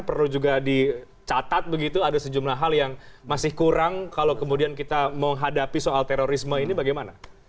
perlu juga dicatat begitu ada sejumlah hal yang masih kurang kalau kemudian kita menghadapi soal terorisme ini bagaimana